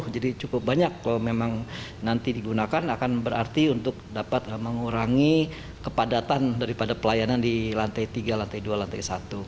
jadi cukup banyak kalau memang nanti digunakan akan berarti untuk dapat mengurangi kepadatan daripada pelayanan di lantai tiga lantai dua lantai satu